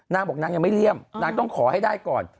นางบอกนางยังไม่เลี่ยมนางต้องขอให้ได้ก่อน